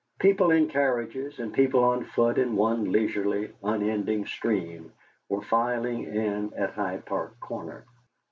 People in carriages and people on foot in one leisurely, unending stream were filing in at Hyde Park Corner.